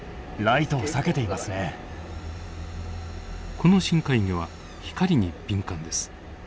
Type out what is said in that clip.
この深海魚は光に敏感です。